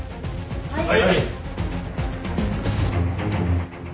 はい。